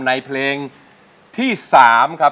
ในเพลงที่๓ครับ